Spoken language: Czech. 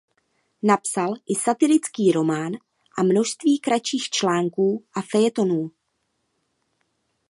Napsal i satirický román a množství kratších článků a fejetonů.